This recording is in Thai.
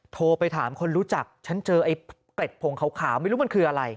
โทรไปถามคนรู้จักฉันเจอไอ้เกร็ดผงขาวไม่รู้มันคืออะไร